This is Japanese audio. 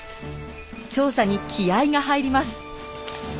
調査に気合いが入ります。